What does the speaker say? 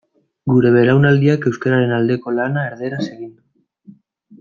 Gure belaunaldiak euskararen aldeko lana erdaraz egin du.